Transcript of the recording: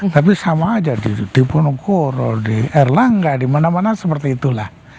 tapi sama aja di diponegoro di erlangga dimana mana seperti itulah